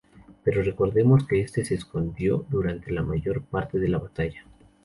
Pero recordemos que se escondió durante la mayor parte de la batalla.